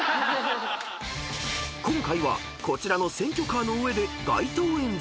［今回はこちらの選挙カーの上で］